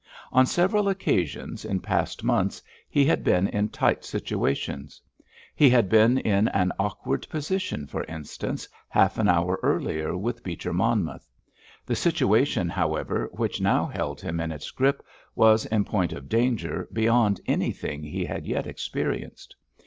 On several occasions in past months he had been in tight situations. He had been in an awkward position, for instance, half an hour earlier, with Beecher Monmouth. The situation, however, which now held him in its grip was in point of danger beyond anything he had yet experienced.